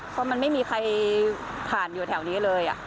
เพราะมันไม่มีใครผ่านอยู่แถวนี้เลย